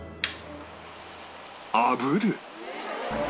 あぶる